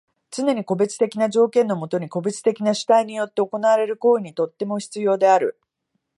つねに個別的な条件のもとに個別的な主体によって行われる行為にとっても必要である。